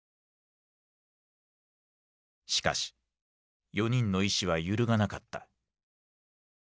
しかし４人の意思は揺るがなかった。